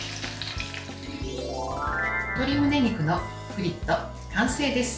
鶏むね肉のフリット、完成です。